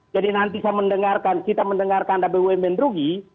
jadi nanti saya mendengarkan kita mendengarkan ada bumn rugi